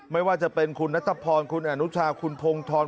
ไม่ว่าจะเป็นคุณนัทพรคุณอนุชาคุณพงธร